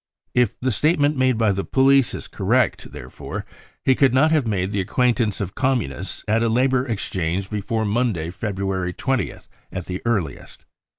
If the statement njade by the police is correct, therefore, he could not have made the acquaintance of Communists at a labour ex change before Monday, February 20th, at the earliest.